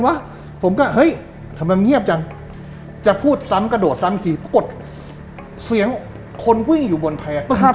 ผมก็เฮ้ยทำไมมันเงียบจังจะพูดซ้ำกระโดดซ้ำอีกทีปรากฏเสียงคนวิ่งอยู่บนแพร่